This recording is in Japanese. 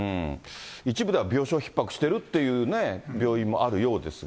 一部では病床ひっ迫してるという病院もあるようですが。